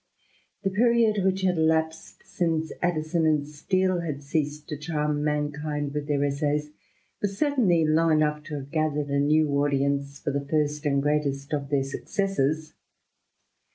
'' The period which had elapsed since Addison and Steele :eased to charm mankind with their essays was certainly long enough ive gathered a new audience for the first and greatest of their tssors.